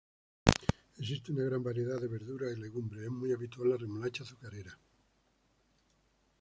Existe una gran variedad de verduras y legumbres, es muy habitual la remolacha azucarera.